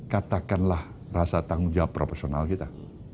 katakanlah rasa tanggung jawab proporsional kita